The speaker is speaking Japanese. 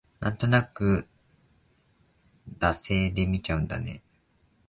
なんとなく惰性で見ちゃうんだよね